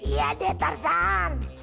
iya deh tarzan